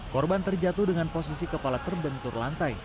korban terjatuh dengan posisi kepala terbentur lantai